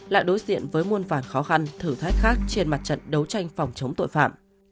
lại đối diện với muôn vàn khó khăn thử thách khác trên mặt trận đấu tranh phòng chống tội phạm